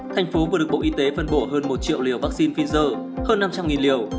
thành phố vừa được bộ y tế phân bổ hơn một triệu liều vaccine pfizer hơn năm trăm linh liều